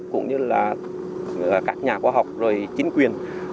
cũng như là các nhà khoa học chính quyền